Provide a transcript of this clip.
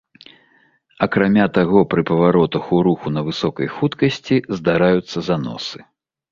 Акрамя таго, пры паваротах ў руху на высокай хуткасці здараюцца заносы.